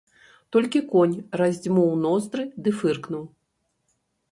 Толькі конь раздзьмуў ноздры ды фыркнуў.